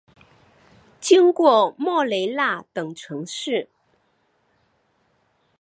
经过莫雷纳等城市。